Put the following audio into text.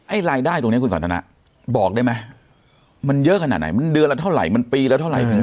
รายได้ตรงนี้คุณสันทนะบอกได้ไหมมันเยอะขนาดไหนมันเดือนละเท่าไหร่มันปีละเท่าไหร่ถึง